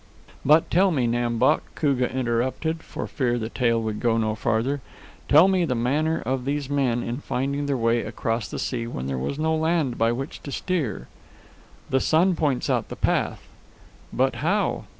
"But tell me, Nam Bok," Koogah interrupted, for fear the tale would go no farther, "tell me the manner of these men in finding their way across the sea when there is no land by which to steer." "The sun points out the path." "But how?"